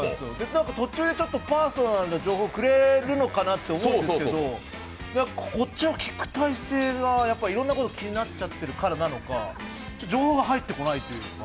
途中でちょっとパーソナルな情報くれると思うんですけど、こっちの聞く体勢がいろんなこと気になっちゃってるからなのか情報が入ってこないというか。